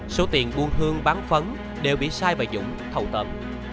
số tiền buôn hương bán phấn đều bị sai và dũng thầu tợn